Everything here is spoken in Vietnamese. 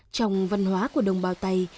trong văn hóa của đồng bào tày